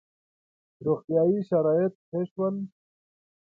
• روغتیايي شرایط ښه شول.